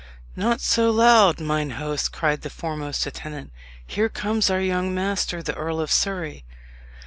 "Not so loud, mine host!" cried the foremost attendant; "here comes our young master, the Earl of Surrey."